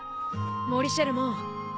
モリシェルモン